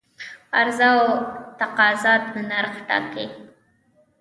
عرضه او تقاضا نرخ ټاکي